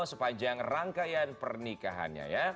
sepanjang rangkaian pernikahannya